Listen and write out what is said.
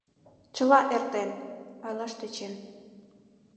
Чыла эртен... — ойлаш тӧчем.